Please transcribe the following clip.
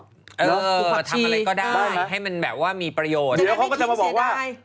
อือทำอะไรก็ได้ให้มันแบบว่ามีประโยชน์ถูกผักชีได้ได้นะ